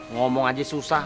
ngomong aja susah